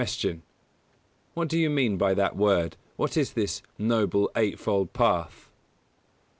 Q. _What do you mean by that word: what is this Noble Eight fold Path?